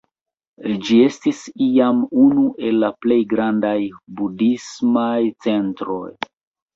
Ĝi estis iam unu el la plej grandaj budhismaj centroj.